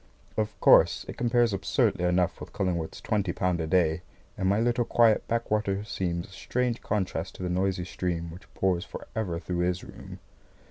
Of course, it compares absurdly enough with Cullingworth's twenty pound a day, and my little quiet back water seems a strange contrast to the noisy stream which pours for ever through his room.